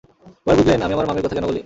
এবার বুঝলেন আমি আমার মামীর কথা কেন বলি?